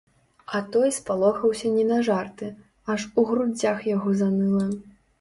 А той спалохаўся не на жарты, аж у грудзях яго заныла.